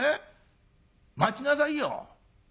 待ちなさいよ」。